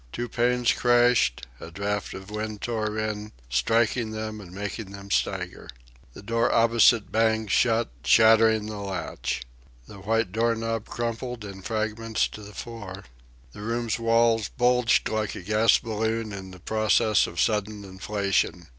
Two panes crashed; a draught of wind tore in, striking them and making them stagger. The door opposite banged shut, shattering the latch. The white door knob crumbled in fragments to the floor. The room's walls bulged like a gas balloon in the process of sudden inflation.